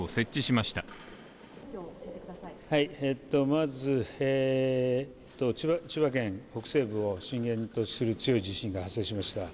まず千葉県北西部を震源とする強い地震が発生しました。